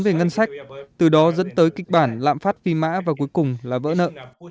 về ngân sách từ đó dẫn tới kịch bản lạm phát phi mã và cuối cùng là vỡ nợ